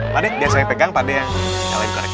pak dek biar saya pegang pak dek